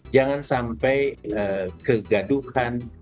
jangan sampai kegaduhan